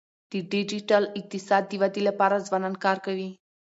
د ډیجیټل اقتصاد د ودی لپاره ځوانان کار کوي.